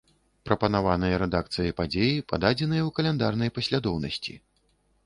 Прапанаваныя рэдакцыяй падзеі пададзеныя ў каляндарнай паслядоўнасці.